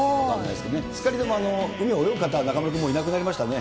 ２人とも、海泳ぐ方、中丸君、いなくなりましたね。